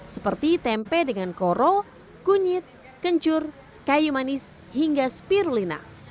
seperti tempe dengan koro kunyit kencur kayu manis hingga spirlina